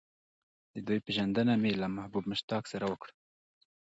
د دوی پېژندنه مې له محبوب مشتاق سره وکړه.